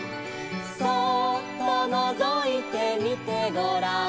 「そーっとのぞいてみてごらん」